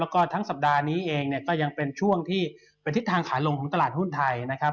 แล้วก็ทั้งสัปดาห์นี้เองเนี่ยก็ยังเป็นช่วงที่เป็นทิศทางขาลงของตลาดหุ้นไทยนะครับ